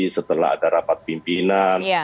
setelah ada rapat pimpinan